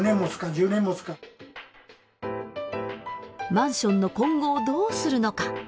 マンションの今後をどうするのか。